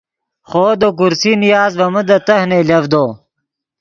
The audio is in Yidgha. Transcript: خوو دے کرسی نیاست ڤے من دے تہہ نئیلڤدو